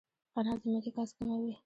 انار د معدې ګاز کموي.